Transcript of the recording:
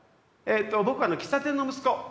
僕は喫茶店の息子です。